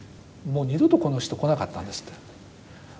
もう二度とこの人来なかったんですって。